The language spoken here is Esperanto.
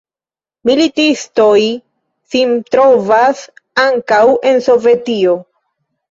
Militistoj sin trovas ankaŭ en Sovetio.